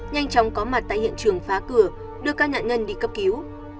nhanh chóng có mặt tại hiện trường phá cửa đưa các nạn nhân đi cấp cứu